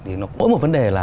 thì nó có một vấn đề là